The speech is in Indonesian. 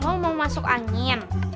lo mau masuk angin